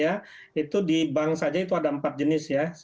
sembilan belas ya itu di bank saja itu ada empat jenis ya